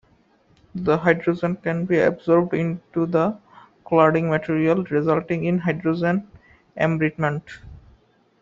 The hydrogen can be absorbed into the cladding material, resulting in hydrogen embrittlement.